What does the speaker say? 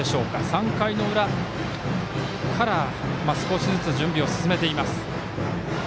３回の裏から少しずつ準備を進めています。